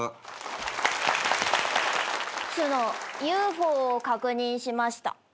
つのＵＦＯを確認しました。